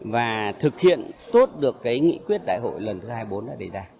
và thực hiện tốt được cái nghị quyết đại hội lần thứ hai mươi bốn đã đề ra